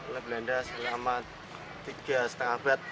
leblenda selama tiga setengah abad